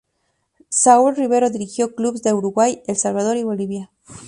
Saúl Rivero dirigió clubes de Uruguay, El Salvador y Bolivia.